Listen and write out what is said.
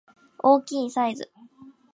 大きいサイズ